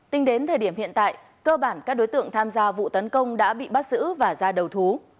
tính đến thời điểm hiện tại cơ bản các đối tượng tham gia vụ tấn công đã bị bắt giữ và ra đầu thú